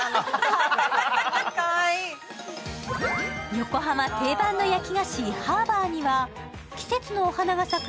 横浜定番の焼き菓子ハーバーには季節のお花が咲く